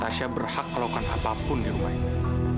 tensi maya berhak kalau kan apa pun di rumah ini